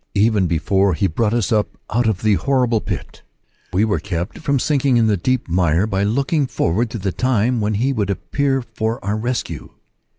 Even before he brought us up out of the horrible pit, we were kept from sinking in the deep mire by looking forward to the time when he would appear for our rescue.